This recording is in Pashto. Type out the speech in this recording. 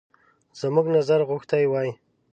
زموږ نظر غوښتی وای.